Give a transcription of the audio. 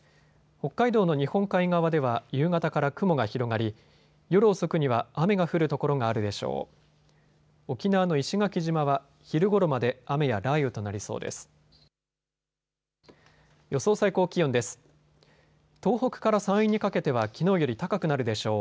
北海道の日本海側では夕方から雲が広がり、夜遅くには雨が降る所があるでしょう。